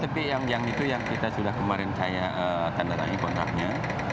tapi yang itu yang kita sudah kemarin saya tanda lagi kontraknya